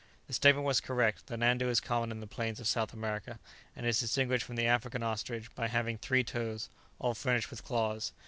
The statement was correct; the nandu is common in the plains of South America, and is distinguished from the African ostrich by having three toes, all furnished with claws.